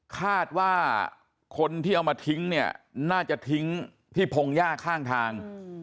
คาดว่าคนที่เอามาทิ้งเนี่ยน่าจะทิ้งที่พงหญ้าข้างทาง